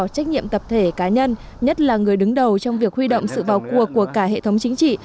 trách nhiệm tập thể cá nhân nhất là người đứng đầu trong việc huy động sự vào cuộc của cả hệ thống chính trị